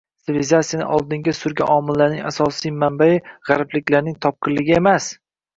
sivilizatsiyani oldinga surgan omillarning asos-manbayi g‘arbliklarning topqirligi emas